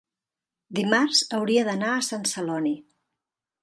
dimarts hauria d'anar a Sant Celoni.